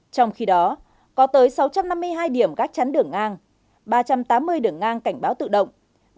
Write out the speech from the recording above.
trong khi đó có tới sáu trăm năm mươi hai điểm gác chắn đường ngang ba trăm tám mươi đường ngang cảnh báo tự động